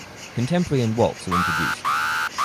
Contemporary and waltz are introduced.